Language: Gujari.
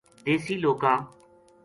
دیسی لوکاں